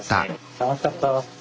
楽しかった。